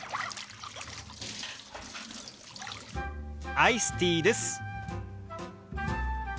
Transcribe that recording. アイスティーです。